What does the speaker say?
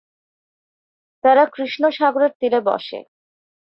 তারা কৃষ্ণ সাগরের তীরে বসে।